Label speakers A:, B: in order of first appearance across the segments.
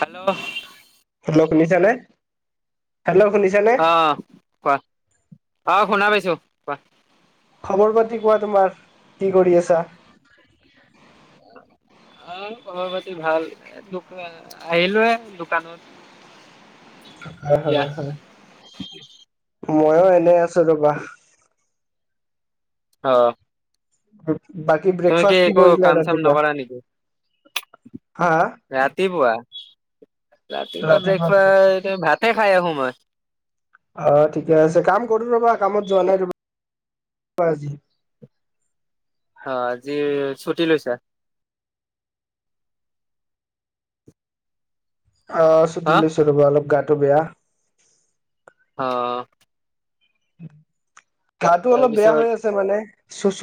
A: Hello
B: hello শুনিছে নে
A: আহ কোৱা আহ শুনা পাইছো কোৱা।
B: খবৰ পাতি কোৱা তোমাৰ কি কৰি আছা
A: আহ খবৰ পাতি ভাল দোক আহিলোয়ে দোকানত
B: হয়
A: এতিয়া
B: হয় হয় মইও এনেই আছো ৰবা।
A: অ
B: বাকি ব্ৰেকফাষ্ট কি কৰিলা ৰাতিপোৱা?
A: ৰাতি পুৱা ৰাতিপোৱা
B: ৰাতিপুৱা
A: ব্ৰেকফাষ্ট ভাতে খাই আহো মই।
B: অ ঠিকে আছে কাম কৰো ৰবা কামত যোৱা নাই ৰবা। আজি
A: অ আজি ছুটি লৈছা
B: অ
A: হা
B: ছুটি লৈছো ৰ'বা অলপ গাটো বেয়া।
A: অ
B: গাটো অলপ বেয়া
A: তাৰপিছত
B: হৈ আছে মানে ছষছ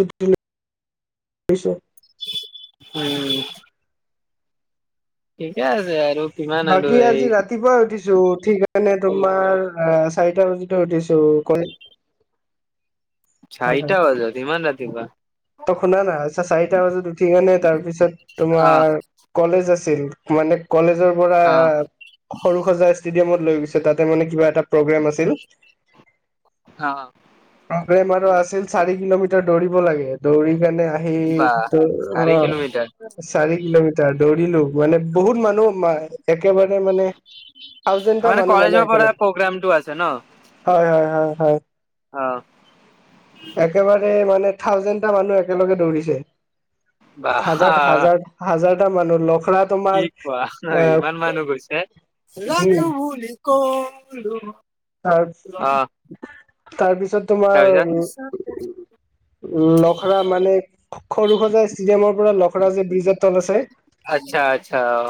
B: [unintelligible]
A: উম ঠিকে আছে আৰু কিমান আৰু
B: বাকী
A: এই
B: আজি ৰাতিপুৱাই উঠিছো ঠিক কাৰণে তোমাৰ চাৰিটা বজি উঠিছোঁ কনি [inaudible]
A: চাৰিটা বজাত ইমান ৰাতিপুৱা
B: ত শুনা নাই আচ্ছা চাৰিটা বজাত উঠি কেনে তাৰপিছত
A: অ
B: তোমাৰ কলেজ আছে আছিল মানে কলেজৰ পৰা
A: অ
B: সৰু সজা ষ্টেডিয়ামত লৈ গৈছে তাতে মানে কিবা এটা প্ৰগ্ৰেম আছিল।
A: হা
B: প্ৰগেম আৰু আছিল চাৰি কিলোমিটাৰ দৌৰিব লাগে দৌৰি কিমানে আহি
A: বা
B: দৌৰ
A: চাৰি
B: অ
A: কিলোমিটাৰ
B: চাৰি কিলোমিটাৰ দৌৰ দিলো মানে বহুত মানুহ একেবাৰে মানে থাউজেণ্ডটা মানে
A: কলেজৰ পৰা
B: একেলগে
A: প্ৰগ্ৰামটো আছে ন
B: হয় হয় হয় হয়।
A: অ
B: একেবাৰে মানে থাউজেণ্ডটা মানুহ একেলগে দৌৰিছে। খাজাৰ
A: বাহ
B: হাজাৰ হাজাৰ এটা মানুহ লখৰা
A: কি
B: তোমাৰ এ
A: লক
B: উম
A: টো বুলি কউ লো।
B: ত তাৰপিছত তোমাৰ
A: তাৰপিছত
B: উ লখৰা মানে সৰু সজাই ষ্টেডিয়ামৰ পৰা লখৰা যে ব্ৰিজৰ তল আছে।
A: আচ্ছা আচ্ছা অ।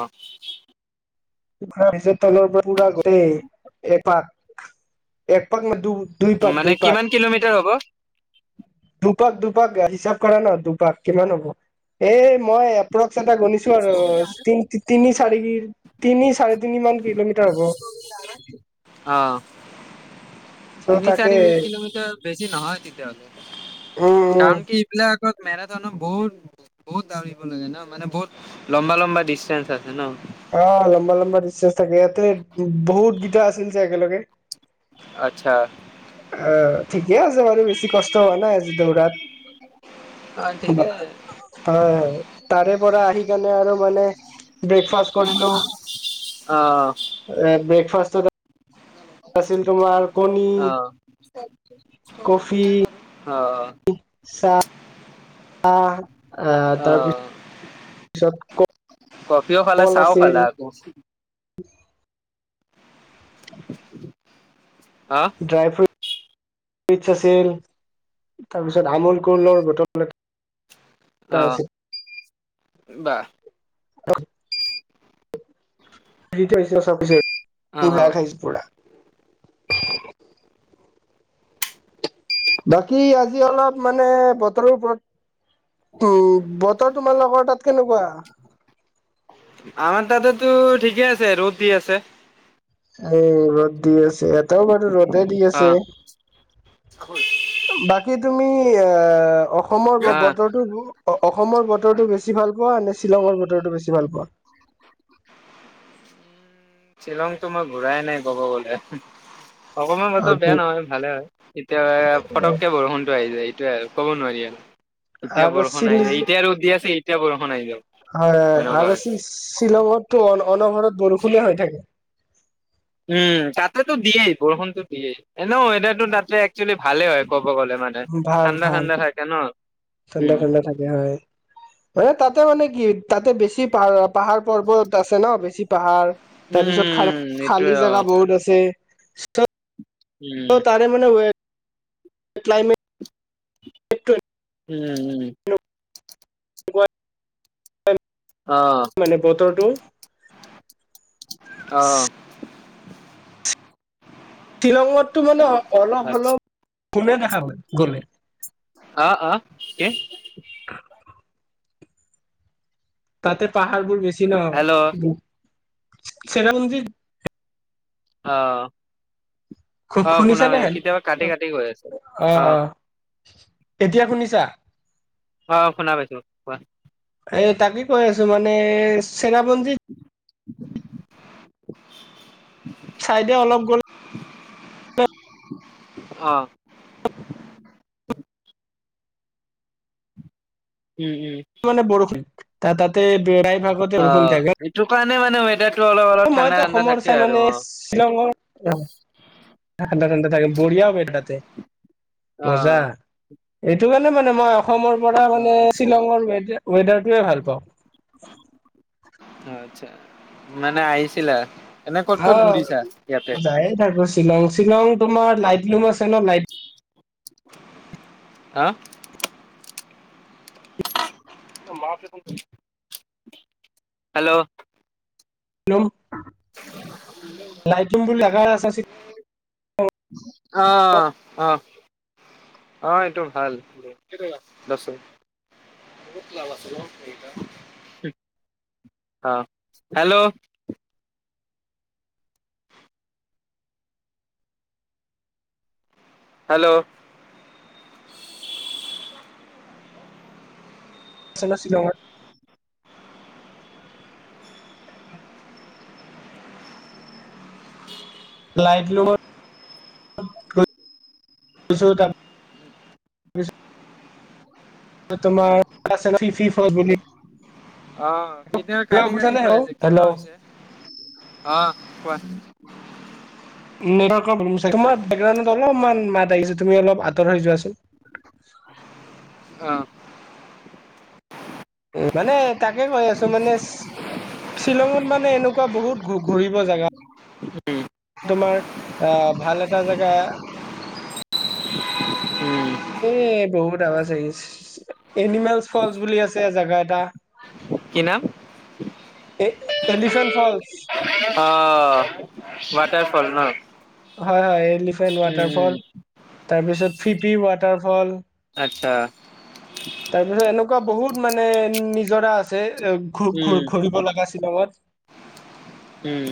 B: [unintelligible] একপাক একপাক দু দুই পাক
A: মানে
B: দুই পাক
A: কিমান কিলোমিটাৰ হ'ব?
B: দুপাক দুপাক হিচাব কৰা ন দুপাক কিমান হ'ব? এই মই চেন্তা গণনিছো আৰ তি তিনি চাৰি তিনি চাৰে তিনি মান কে
A: অহ
B: চ'
A: তিনি
B: তাকে
A: চাৰি কিলোমিটাৰ বেছি নহয় তেতিয়া হ'লে।
B: উম উম
A: কাৰণ কি এইবিলাক আগত মেৰাথনত বহুত বহুত দাউৰিব লাগে ন মানে বহুত লম্বা লম্বা ডিচষ্টেঞ্চ আছে ন।
B: অ লম্বা লম্বা ডিচষ্টেঞ্চ থাকে ইয়াতে বহুত গিটা আছিল যে একেলগে।
A: আত্চ্ছা
B: অহ ঠিকে আছে বাৰু বেছি কষ্ট হোৱা নাই আজি দৌৰাত।
A: অ ঠিকে
B: হয় তাৰে পৰা আহি কেনে আৰু মানে ব্ৰেকফাষ্ট কৰিলোঁ
A: অ'
B: ব্ৰেকফাষ্টটোতা আছিল তোমাৰ কণী
A: অ'
B: কফি
A: অ
B: চাহ আহ তাৰপিছত
A: অ'
B: তাৰ পিছত ক
A: কফিও খালা
B: কল
A: চাহও
B: আছিল
A: খালা আকৌ [inaudible]
B: ড্ৰাই ফ্ৰুট ইটছ আছিল তাৰপিছত আমোল কলৰ বতল টা আছে।
A: বা
B: [unintelligible] [unintelligible]
A: অ'
B: পুৰা
A: অ'
B: খাইছো পুৰা বাকী আজি অলপ মানে বতৰৰ ওপৰত টো বতৰ তোমাৰ লোকৰ তাত কেনেকুৱা‌?
A: টো ঠিকে আছে ৰ'দ দি আছে্
B: এই ৰ'দ দি আছে এটাও বাৰু ৰ'দে দি আছে
A: অ'
B: বাকী তুমি [unintelligible] অসমৰ
A: অ'
B: বতৰটো অসমৰ বতৰটো বেছি ভাল পোৱা নে শ্বিলঙৰ বতৰটো বেছি ভাল পোৱা? [inaudible]
A: উ শ্বিলংতো মই ঘূৰাই নাই কব গলে। অকমান বতৰ বেয়া নহয় ভালে হয় এতিয়া পটককে বৰষুণতো আহি যায়। সেইটোৱে আৰু ক'ব নোৱাৰি আৰু এতিয়া
B: আৰু
A: বৰষুণ
B: শ্বিল
A: আহি যায় এতিয়া আৰু দি আছে এতিয়া বৰষুণ আহি যাব।
B: হয়
A: এনেকুৱা
B: আৰু
A: হয়।
B: শ্বিলঙততো অন অনবৰত বৰষুণে হৈ থাকে।
A: উম তাতেতো দিয়েই বৰষুণতো দিয়েই এনেইও ৱেডাৰটো ভালেই একচুৱেলি ভালে হয় ক- ব গলে মানে
B: ভাল
A: ঠাণ্ডা
B: ভাল
A: ঠাণ্ডা থাকে ন উম।
B: হয়ে তাতে মানে কি তাতে বেছি- পাহাৰ পাহাৰ পৰ্বত আছে ন বেছি পাহাৰ তাৰ পিছত খাল
A: উম
B: খালী
A: এইটোয়ে অ
B: জোগা বহুত আছে। [unintelligible]
A: উম।
B: অ তাৰে মানে উৱেট ক্লাইমেট
A: উম উম অ
B: মানে বতৰটো
A: আহ।
B: শ্বিলংঙতটো মানে অলপ
A: আচ্ছা
B: অলপ গলে দেখা গল গলে।
A: অ অ কি?
B: তাতে পাহাৰবোৰ বেছি
A: হেল্ল' অ
B: ন, চেৰাপুঞ্জী
A: অ। আহ শুনাম
B: শুনিছানে
A: কেতিয়াবা কাটি কাটি গৈ আছে অ।
B: এতিয়া শুনিছা?
A: অ শুনা পাইছো কোৱা?
B: এই তাকে কৈ আছোঁ মানে চেৰাপুঞ্জী
A: [inaudible]
B: চাইডে অলপ গ'লে
A: অ। উম, উম,
B: মানে বৰষুণ তাতে বেৰাই ভাগতে বৰষুণ থাকে।
A: তুমি মানে ৱেতাত
B: মইতো অসমৰ চাই মানে শ্বিলঙৰ ঠাণ্ডা ঠাণ্ডা থাকে, বঢ়িয়া হব এ তাতে। মজা
A: অ',
B: এইটো কাৰণে মানে মই অসমৰ পৰা মানে
A: অ', আচ্ছা
B: শ্বিলঙৰ ৱেডা ৱেডাৰটোৱে ভাল পাওঁ।
A: আচ্ছা মানে আহিছিলা। এনে ক'ত ক'ত
B: আহ,
A: ঘূৰিছা ইয়াতে
B: যায়ে থাকো শ্বিলং শ্বিলং তোমাৰ লাইট লুম আছে ন লাইট
A: হা? হেল্ল'!
B: লুম লাইট লুম বুলি জাগা আছ
A: আহ অ। অ এইটো ভাল, দচ টকা বহুত লাভ আছে ন ৱেদাৰ। আহ হেল্ল'! হেল্ল'!
B: চেনা শ্বিলংত লাইট লুমত গৈছো। [unintelligible] তোমাৰ ফি [inaudible] ফ বুলি-
A: আহ কেতিয়া
B: হেল্ল'
A: কাটি কাটি
B: বুজিছানে
A: কৈ
B: হেল্ল'
A: আছে কিবা
B: হেল্ল'
A: হৈছে আহ কোৱা? [unintelligible]
B: তোমাৰ ৰাউন্ধত অলপমান মাত আহিছে তুমি অলপ আঁতৰ হয় যোৱা চোন। [unintelligible]
A: অ।
B: উম মানে তাকে কৈ আছো মানে শ্বি শ্বিলঙত মানে এনেকুৱা বহুত ঘূ ঘুৰিব জেগা
A: উম।
B: তোমাৰ আহ ভাল এটা জেগা
A: উম,
B: এ বহুত আভা চি এনিমেল ফলচ বুলি আছে জাগা এটা
A: কি নাম?
B: এ এলিফেন্ট ফলচ
A: আ ৱাটাৰ ফল হ
B: হয় হয় এলিফেণ্ট ৱাটাৰফল, তাৰপিছত ফিপি ৱাটাৰফল
A: আচ্ছা
B: তাৰপিছত এনেকুৱা বহুত মানে নিজৰা আছে। এ ঘু
A: উম,
B: ঘু ঘূৰিব লগা শিলঙত।
A: উম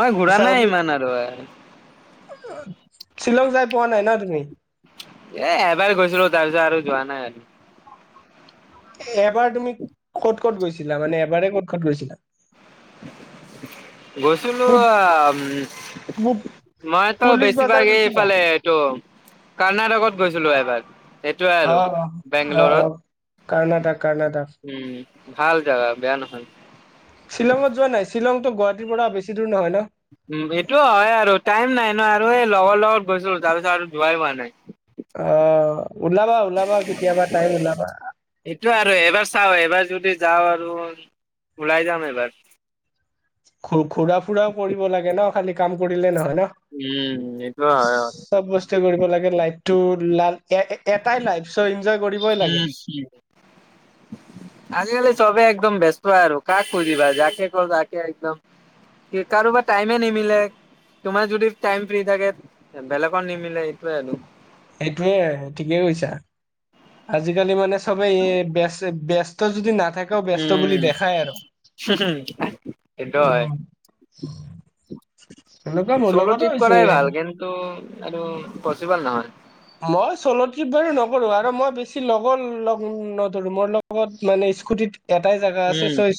A: মই ঘূৰা নাই
B: চাবি
A: ইমান আৰু।
B: শ্বিলং যাই পোৱা নাই ন তুমি
A: এ' এবাৰ গৈছিলো তাৰ পিছত আৰু যোৱা নাই আৰু।
B: এবাৰ তুমি ক'ত ক'ত গৈছিলা মানে এবাৰ ক'ত ক'ত গৈছিলা
A: গৈছিলো
B: পু
A: আ উম
B: পু
A: মইতো
B: পুলিচ বাজাৰ
A: বেছিভাগ এই
B: গৈছিলা
A: এইফালে এইটো কৰ্ণাটকত গৈছিলো এবাৰ- সেইটোৱে আৰু
B: অ অ অ কৰ্ণাটক কৰ্ণাটক
A: বেংগলৰত উ। ভাল জাগা বেয়া নহয়।
B: শ্বিলঙত যোৱা নাই শ্বিলংতো গুৱাহাটীৰ পৰা বেছি দূৰ নহয় ন
A: উ এইটো হয় আৰু টাইম নাই ন আৰু এই লগৰ লগত গৈছো তাৰ পিছত আৰু যোৱাই হোৱা নাই।
B: অ ওলাবা ওলাবা কেতিয়াবা টাইম ওলাবা।
A: এইটোয়ে এবাৰ চাও এবাৰ যদি যাওঁ আৰু ওলাই যাম এবাৰ
B: ঘুৰা-ফুৰাও কৰিব লাগে ন, খালি কাম কৰিলে নহয়। ন
A: উম এইটো হয়
B: চব বস্তুৱে কৰিব লাগে লাইট টো ল এ এটাই লাইট চ এনজয় কৰিবই লাগে
A: উম উম আজি কালি চবে একদম ব্যস্ত আৰু কাক খুজিবা যাকে কল তাকে একদম কি কাৰোবাৰ টাইমে নিমিলে। তোমাৰ যদি টাইম ফ্ৰী থাকে বেলেগত নিমিলে এইটোয়ে আৰু
B: সেইটোয়ে ঠিকেই কৈছা আজিকালি মানে চবেই এই বে বেষ্ট ত যদি ন
A: উম হু হু সেইটো হয়।
B: উম
A: [unintelligible]
B: সেনেকুৱা মোৰ
A: চলো
B: লগতো
A: ট্ৰিপ
B: হৈছে
A: কৰাই ভাল কিন্তু আৰু পচিবল নহয়
B: মই চ'লোট্ৰিপ বাৰু নকৰো আৰু মই বেছি লগৰ লগ নধৰো ম লগত মানে [unintelligible] স্কুটিত এটাই জেগা আছে
A: উম
B: চ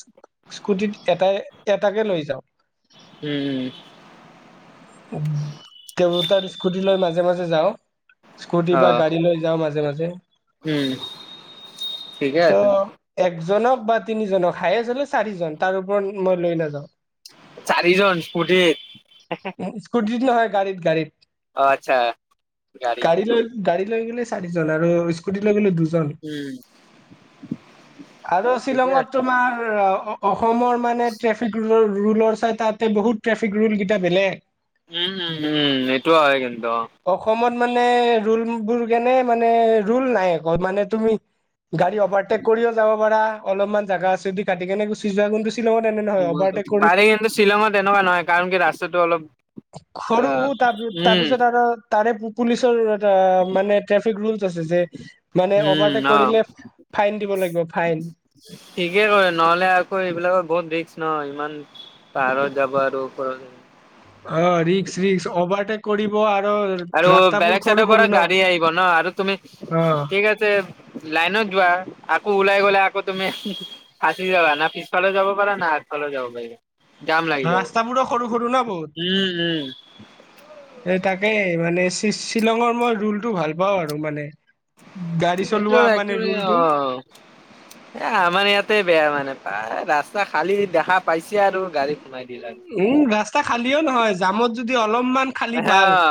B: স্কুটিত এটাই এটাকে লৈ যাও।
A: উম উম
B: তেওঁ তাৰ স্কুটি লৈ নায। মাজে মাজে যাওঁ স্কুটি
A: অ
B: বা গাড়ী লৈ যাওঁ মাজে মাজে
A: উম ঠিকে
B: চ'
A: আছে
B: একজনক বা তিনিজনক খাই আচলতে চাৰিজন তাৰ ওপৰত মই লৈ নাযাও।
A: চাৰিজন ফূৰ্তিত
B: উম, স্কুটিত নহয় গাড়ীত গাড়ীত।
A: আচ্ছা, গাড়ী।
B: গৈ গলো চাৰিজন আৰু স্কুটি লৈ গ'লো দুজন।
A: উম
B: আৰু
A: ঠিকে
B: শ্বিলঙত
A: আছে
B: তোমাৰ অসমৰ মানে ট্ৰেফিক ৰুলৰ চাই তাতে বহুত ট্ৰেফিক ৰুল কেইটা বেলেগ
A: উম উম উম এইটো হয় কিন্তু অ
B: অসমত মানে ৰোল কেনে মানে ল নাই মানে তুমি গাড়ী অভাৰটেক কৰি যাব অলপমান জেগা আছে যদি কাটি কেনে গুচি যোৱা কিন্তু। শ্বিলঙত এনে নহয় অভাৰটেক কৰি
A: পাৰি কিন্তু শ্বিলঙত এনেকুৱা নহয় কাৰণ কি ৰাস্তাটো অলপ অ
B: সৰু
A: উম
B: তাৰপিছত আৰু তাৰে পুলিচৰ মানে ট্ৰেফিক ৰ যে মানে
A: উম
B: অভাৰটেক
A: অ
B: কৰিলে ফাইন দিব লাগিব ফাইন
A: ঠিকে কৰে নহলে আকৌ এইবিলাকৰ বহুত ৰিক্স ন ইমান পাহাৰত যাব আৰু ওপৰত
B: অ ৰিক্স ৰিক্স অভাৰটেক কৰিব আৰু
A: আৰু
B: ৰাস্তাবোৰ
A: বেলেগ
B: সৰু
A: চাইডৰ পৰা
B: সৰু ন
A: গাড়ী আহিব ন আৰু তুমি
B: অ
A: ঠিক আছে লাইনত যোৱা আকৌ ওলাই গলে তুমি ফাঁচি যাবা না পিছফালে যাব পাৰা ন হাতফালে যাব পাৰিবা [unintelligible] লাগি যাব
B: ৰাস্তাবোৰো সৰু সৰু ন
A: উম উম
B: বহুত এ তাকে মানে শ্বিলঙৰ মই ৰোলটো ভাল পাওঁ আৰু মানে গাড়ী
A: এইটো
B: চলোৱা মানে
A: একচলি অ
B: ৰুলটো
A: এ আমাৰ ইয়াতে বেয়া মানে প্ৰায় ৰাস্তা খালী দেখা পাইছে আৰু গাড়ী সোমাই দিলে
B: উম ৰাস্তা খালিও নহয় জামত যদি অলপমান খালী
A: আৰু
B: বাল
A: অ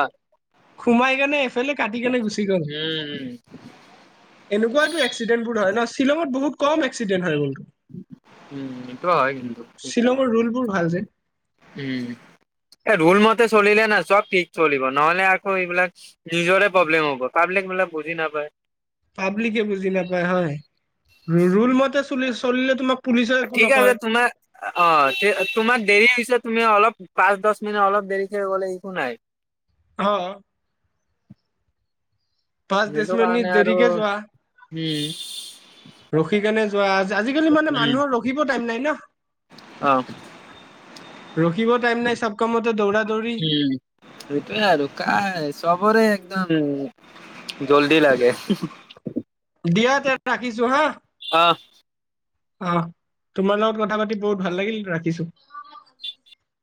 B: সোমাই কেনে এফালে কাটি কেনে গুচি গ'ল।
A: উম
B: এনেকুৱোতো এক্সিডেণ্ট বোৰ হয় ন' শ্বিলঙত বহুত কম এক্সিডেণ্ট হয় [unintelligible]
A: উম সেইটো হয় কিন্তু,
B: শ্বিলঙৰ ৰুলবোৰ ভাল যে
A: ‌উম। এ ৰুল মতে চলিলে না চব ঠিক চলিব নহলে আকৌ এইবিলাক নিজৰে প্ৰব্লেম হ'ব কাৰ বেলেগ বিলাক বুজি নাপায়।
B: পাব্লিকে বুজি নাপায় হয়। ৰু - ৰুল মতে চুলি - চলিলে তোমাক‌
A: ঠিক আছে তোমাৰ অ ঠে তোমাক দেৰি হৈছে তুমি অলপ পাঁচ দছ মিনিট অলপ দেৰি কে গ'লে ইকূ নাই।
B: অ'। পাঁচ দছ
A: সেইটো
B: মেনিট
A: কাৰণে আৰু
B: দেৰিকে যোৱা।
A: উম
B: ৰখি কেনে যোৱা আজ - আজিকালি মানে মানুহৰ
A: উম
B: ৰখিব টাইম নাই ন।
A: অ'।
B: ৰখিব টাইম নাই চব কামতে দৌৰা দৌৰি।
A: উম সেইটোয়ে আৰু কাই চবৰে [unintelligible] জল্দি লাগে।
B: দিয়া তে ৰাখিছো হা।
A: অহ।
B: অহ, তোমাৰ লগত কথা পাতি বহুত ভাল লাগিল ৰাখিছো।